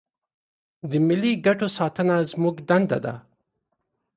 د ملي ګټو ساتنه زموږ دنده ده.